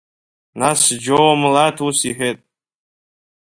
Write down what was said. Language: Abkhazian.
Нас џьоумлаҭ ус иҳәеит…